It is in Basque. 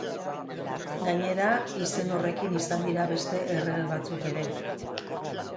Gainera, izen horrekin izan dira beste errege batzuk ere.